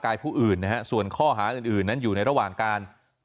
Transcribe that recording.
กายผู้อื่นส่วนข้อหาอื่นอยู่ระหว่างการรูป